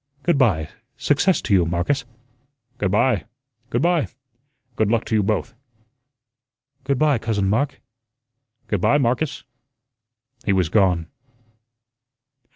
Good by, success to you, Marcus." "Good by, good by. Good luck to you both." "Good by, Cousin Mark." "Good by, Marcus." He was gone.